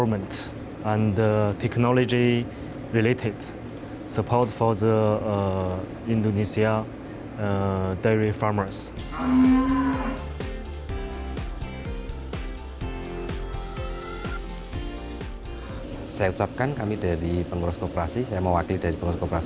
setelah menghasilkan edukasi sambungan ke pengemaran yang lanjut dan philosophia